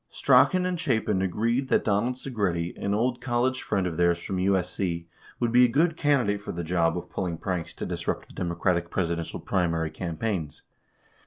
3 Strachan and Chapin agreed that Donald Segretti, an old college friend of theirs from USC, would be a good candidate for the job of pulling pranks to disrupt the Democratic Presidential primary cam paigns.